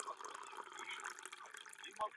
王沂孙人。